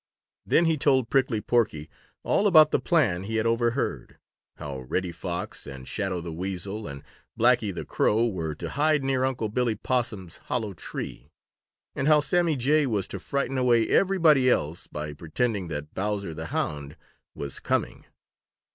Then he told Prickly Porky all about the plan he had overheard, how Reddy Fox and Shadow the Weasel and Blacky the Crow were to hide near Unc' Billy Possum's hollow tree, and how Sammy Jay was to frighten away everybody else by pretending that Bowser the Hound was coming.